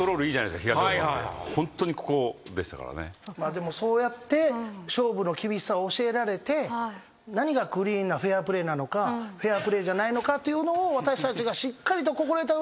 でもそうやって勝負の厳しさを教えられて何がクリーンなフェアプレーなのかフェアプレーじゃないのかっていうのを私たちがしっかりと心得た上で今。